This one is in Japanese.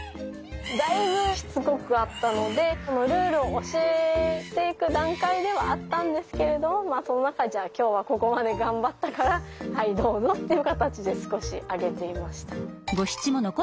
だいぶしつこかったのでルールを教えていく段階ではあったんですけれどもその中でじゃあ今日はここまで頑張ったからはいどうぞっていう形で少しあげていました。